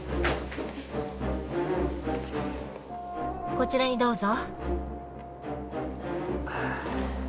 こちらにどうぞ。